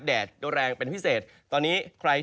แต่ว่าในช่วงบ่ายนะครับอากาศค่อนข้างร้อนและอุ๊บนะครับ